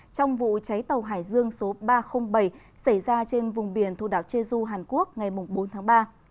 trong vụ cháy tàu hải dương số ba trăm linh bảy xảy ra trên vùng biển thu đảo jeju hàn quốc ngày bốn tháng ba